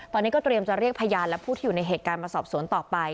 ตอนนี้ก็เตรียมจะเรียกพยานและผู้ที่อยู่ในเหตุการณ์มาสอบสวนต่อไป